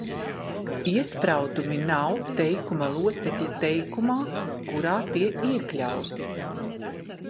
Iespraudumi nav teikuma locekļi teikumā, kurā tie iekļauti.